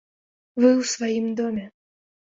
Вы ў сваім доме.